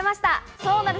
そうなんです